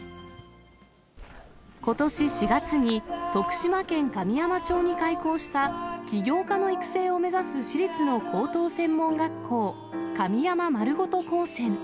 ことし４月に徳島県神山町に開校した起業家の育成を目指す私立の高等専門学校、神山まるごと高専。